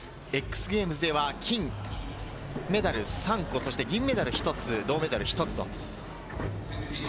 ＸＧａｍｅｓでは金メダル３個、そして銀メダル１つ、銅メダル１つと。